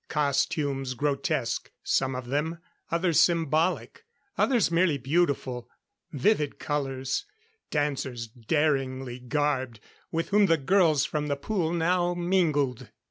Costumes grotesque, some of them; others symbolic; others merely beautiful. Vivid colors. Dancers daringly garbed, with whom the girls from the pool now mingled.